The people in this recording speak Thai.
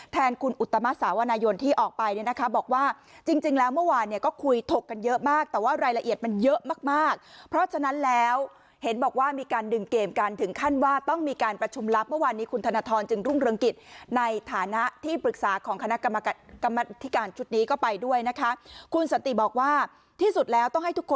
แทนคุณอุตมะสาวนายนที่ออกไปเนี่ยนะคะบอกว่าจริงแล้วเมื่อวานเนี่ยก็คุยถกกันเยอะมากแต่ว่ารายละเอียดมันเยอะมากมากเพราะฉะนั้นแล้วเห็นบอกว่ามีการดึงเกมกันถึงขั้นว่าต้องมีการประชุมลับเมื่อวานนี้คุณธนทรจึงรุ่งเรืองกิจในฐานะที่ปรึกษาของคณะกรรมการชุดนี้ก็ไปด้วยนะคะคุณสันติบอกว่าที่สุดแล้วต้องให้ทุกคน